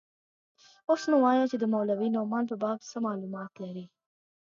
اوس نو وايه چې د مولوي نعماني په باب څه مالومات لرې.